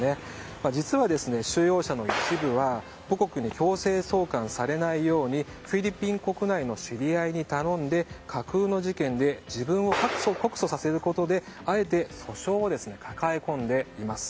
実は収容者の一部は母国に強制送還されないようにフィリピン国内の知り合いに頼み架空の事件で自分を告訴させることであえて訴訟を抱え込んでいます。